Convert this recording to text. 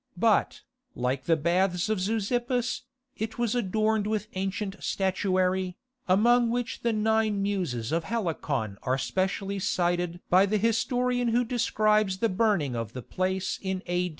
But, like the Baths of Zeuxippus, it was adorned with ancient statuary, among which the Nine Muses of Helicon are specially cited by the historian who describes the burning of the place in A.